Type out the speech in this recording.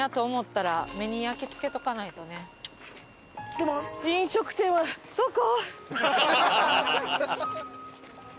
でも飲食店はどこ？